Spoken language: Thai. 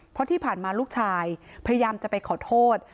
เพราะที่ผ่านมาลูกชายพยายามจะไปขอโทษ